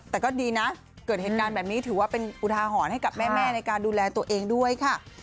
แต่ก็ดีนะเกิดเหตุการณ์แบบนี้ถือว่าเป็นอุทาหรณ์ให้กับแม่ในการดูแลตัวเองด้วยค่ะ